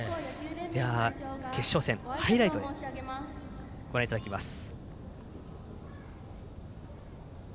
決勝戦、ハイライトでご覧いただきます。